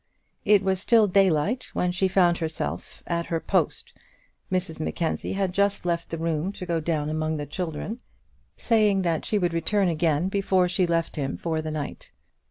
It was still daylight when she found herself at her post. Mrs Mackenzie had just left the room to go down among the children, saying that she would return again before she left him for the night.